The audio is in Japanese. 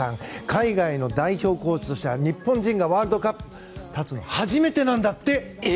海外の代表コーチとして日本人がワールドカップに立つのが初めてなんだって。え？